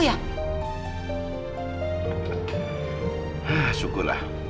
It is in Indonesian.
ya sudah gila